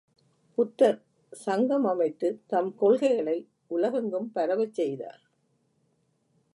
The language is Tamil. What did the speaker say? புத்தர் சங்கம் அமைத்துத் தம் கொள்கைகளை உலகெங்கும் பரவச் செய்தார்.